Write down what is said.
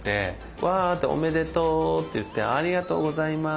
「わおめでとう！」と言って「ありがとうございます！」